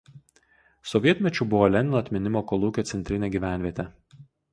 Sovietmečiu buvo „Lenino atminimo“ kolūkio centrinė gyvenvietė.